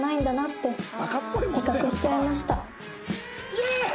イエーイ！